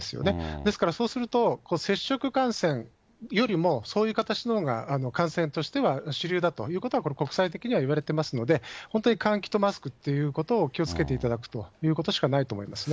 ですからそうすると、接触感染よりも、そういう形のほうが感染としては主流だということは、国際的にはいわれてますので、本当に換気とマスクということを気をつけていただくということしかないと思いますね。